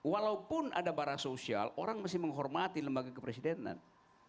walaupun ada bara sosial orang masih menghormati lembaga kepresidenan